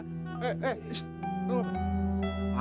eh eh istirahat